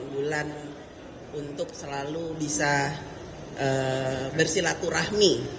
enam bulan untuk selalu bisa bersilaturahmi